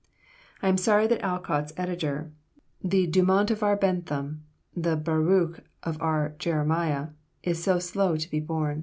I am sorry that Alcott's editor, the Dumont of our Bentham, the Baruch of our Jeremiah, is so slow to be born."